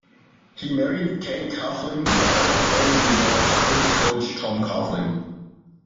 He married Kate Coughlin, daughter of former New York Giants coach Tom Coughlin.